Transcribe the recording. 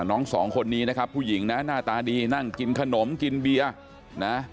สองคนนี้นะครับผู้หญิงนะหน้าตาดีนั่งกินขนมกินเบียร์นะ